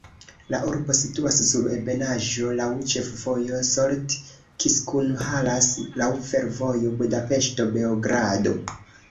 La urbo situas sur ebenaĵo, laŭ ĉefvojo Solt-Kiskunhalas, laŭ fervojo Budapeŝto-Beogrado.